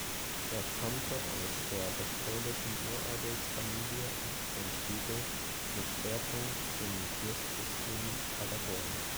Er stammte aus der westfälischen Uradelsfamilie von Spiegel mit Schwerpunkt im Fürstbistum Paderborn.